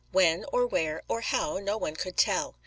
When or where or how no one could tell.